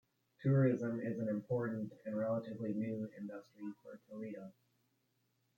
Tourism is an important, and relatively new, industry for Toledo.